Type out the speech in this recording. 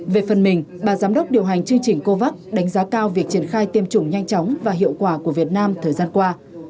về phần mình bà giám đốc điều hành chương trình covax đánh giá cao việc triển khai tiêm chủng nhanh chóng và hiệu quả của việt nam thời gian qua